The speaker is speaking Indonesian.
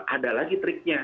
ada lagi triknya